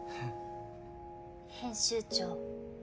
編集長。